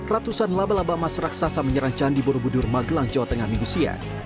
ratusan laba laba emas raksasa menyerang candi borobudur magelang jawa tengah minggu siang